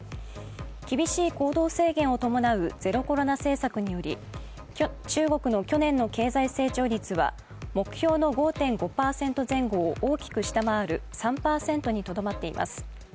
厳しい行動制限を伴うゼロコロナ政策により中国の去年の経済成長率は目標の５．５％前後を大きく下回る３％にとどまっています。